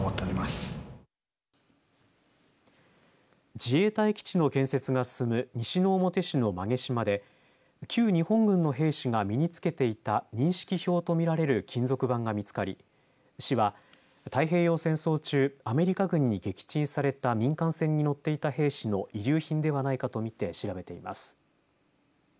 自衛隊基地の建設が進む西之表市の馬毛島で旧日本軍兵士が身に着けていた認識票と見られる金属板が見つかり市は太平洋戦争中アメリカ軍に撃沈された民間船に乗っていた兵士の遺留品ではないかと見て調べています。